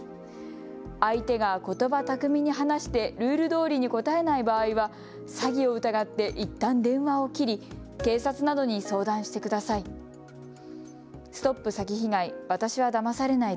相手がことば巧みに話してルールどおりに答えない場合は詐欺を疑っていったん電話を切り警察などに相談してください。